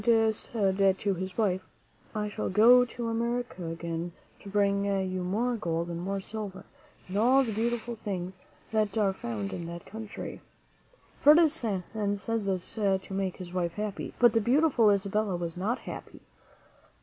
'fr^i 52 dinand said to his wife, "I shall go to America again to bring you more gold and more silver and all the beautiful things that are found in that country." Ferdinand said this to make his wife happy; but the beautiful Isabella was not happy.